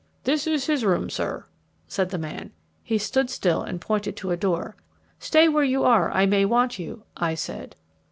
"This is his room, sir," said the man. He stood still and pointed to a door. "Stay where you are; I may want you," I said.